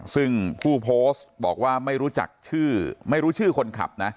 ซึ่งผู้โพสต์บอกว่าไม่รู้จักชื่อไม่รู้ชื่อคนขับนะ